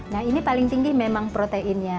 nah ini paling tinggi memang proteinnya